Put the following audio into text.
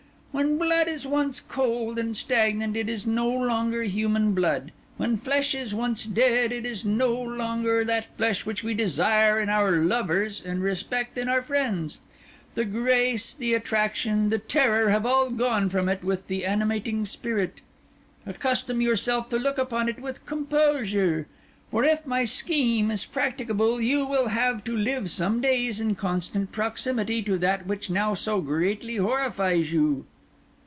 When blood is once cold and stagnant, it is no longer human blood; when flesh is once dead, it is no longer that flesh which we desire in our lovers and respect in our friends. The grace, the attraction, the terror, have all gone from it with the animating spirit. Accustom yourself to look upon it with composure; for if my scheme is practicable you will have to live some days in constant proximity to that which now so greatly horrifies you."